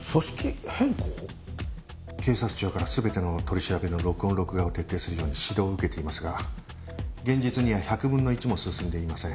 「警察庁から全ての取り調べの録音・録画を徹底するように指導を受けていますが現実には１００分の１も進んでいません」